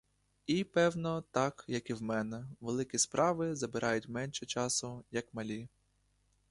І, певно, так, як і в мене: великі справи забирають менше часу, як малі.